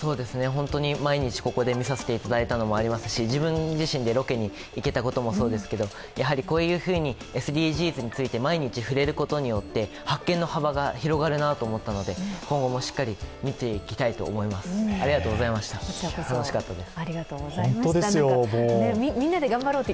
本当に毎日ここで見させていただいたのもありますし自分自身でロケに行けたこともそうですけど、ＳＤＧｓについて毎日触れることによって発見の幅が広がるなと思ったので今後もしっかり見お天気です、